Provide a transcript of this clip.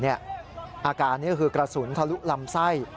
อาการนี้คือกระสุนทะลุลำไส้